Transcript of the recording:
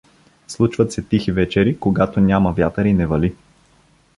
Случват се тихи вечери, когато няма вятър и не вали.